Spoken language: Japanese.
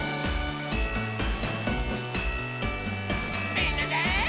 みんなで。